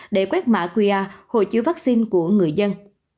để quét mã qr hộ chiếu vắc xin của người dân